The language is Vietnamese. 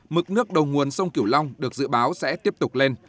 mực nước đầu nguồn sông kiểu long được dự báo sẽ tiếp tục lên